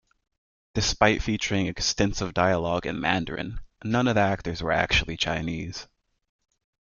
Despite featuring extensive dialogue in Mandarin, none of the actors were actually Chinese.